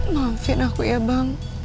maafin aku ya bang